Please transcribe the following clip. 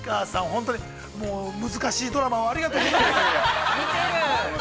本当に難しいドラマをありがとうございます。